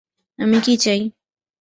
আমি কী চাই?